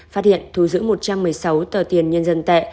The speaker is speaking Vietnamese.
phát hiện thu giữ một trăm một mươi sáu tờ tiền nhân dân tệ